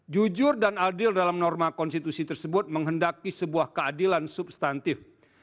jujur dan adil dalam norma konstitusi tersebut menghendaki sebuah keadilan substantif